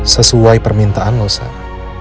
sesuai permintaan lo sam